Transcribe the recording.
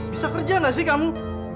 bisa kerja gak sih kamu